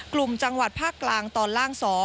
กลุ่มจังหวัดภาคกลางตอนล่าง๒